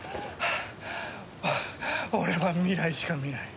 俺は未来しか見ない。